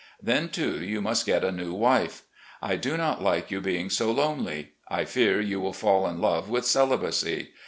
Then, too, you must get a nice wife. I do not like you being so lonely. I fear you will fall in love with celibacy.